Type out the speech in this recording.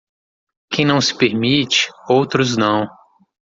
Quem não se permite, outros não.